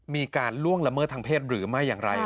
ล่วงละเมิดทางเพศหรือไม่อย่างไร